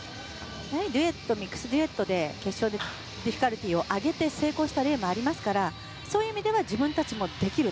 やはりミックスデュエット決勝でディフィカルティーを上げて成功した例もありますからそういう意味では自分たちもできる。